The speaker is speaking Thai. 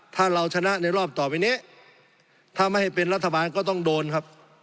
ถ้าเราชนะในรอบต่อไปนี้ถ้าไม่ให้เป็นรัฐบาลก็ต้องโดนครับ